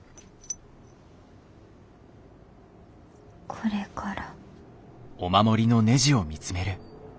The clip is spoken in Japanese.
これから。